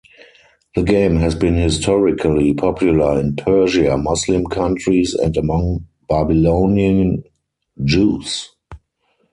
The game has been historically popular in Persia, Muslim countries, and among Babylonian Jews.